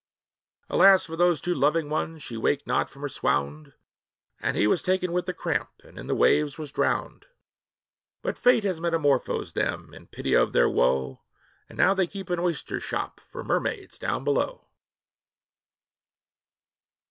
Alas for those two loving ones! she waked not from her swound, And he was taken with the cramp, and in the waves was drowned; But Fate has metamorphosed them, in pity of their woe, And now they keep an oyster shop for mermaids down below.